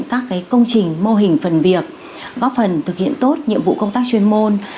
các công trình mô hình phần việc góp phần thực hiện tốt nhiệm vụ công tác chuyên môn